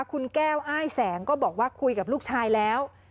คุณแก้วอ้ายแสงก็บอกว่าคุยกับลูกชายแล้ว